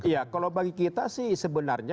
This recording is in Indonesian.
ya kalau bagi kita sih sebenarnya